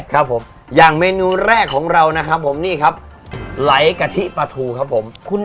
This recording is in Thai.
ครับผมอย่างเมนูแรกของเรานะครับผมนี่ครับไหลกะทิปลาทูครับผม